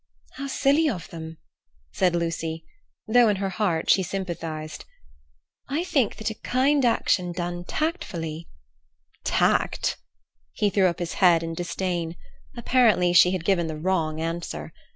"How silly of them!" said Lucy, though in her heart she sympathized; "I think that a kind action done tactfully—" "Tact!" He threw up his head in disdain. Apparently she had given the wrong answer.